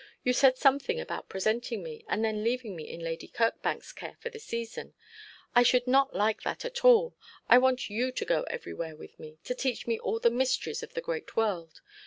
'You said something about presenting me, and then leaving me in Lady Kirkbank's care for the season. I should not like that at all. I want you to go everywhere with me, to teach me all the mysteries of the great world.